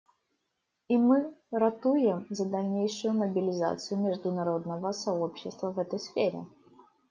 И мы ратуем за дальнейшую мобилизацию международного сообщества в этой сфере.